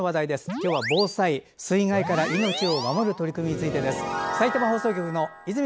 今日は水害から命を守る取り組みについてです。